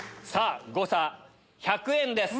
誤差１００円です。